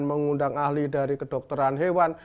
mengundang ahli dari kedokteran hewan